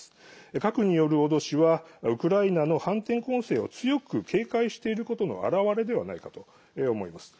核による脅しはウクライナによる反転攻勢を強く警戒していることのあらわれではないかと思います。